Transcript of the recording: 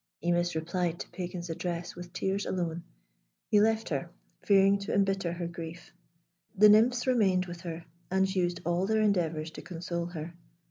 Imis replied to Pagan's address with tears alone. He left her, fearing to embitter her grief. The nymphs remained with her, and used all their endeavours to console her.